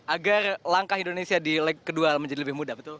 agar langkah indonesia di leg kedua menjadi lebih mudah